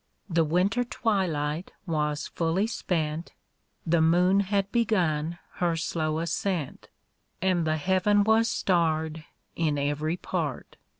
The winter twilight was fully spent, The moon had begun her slow ascent, And the heaven was starred in every part.